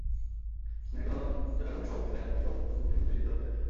আমি এখনো জেলা কমিটির সভাপতি, তাই আমিই সভাপতিত্ব করব, কেন্দ্রের সিদ্ধান্ত সেটাই।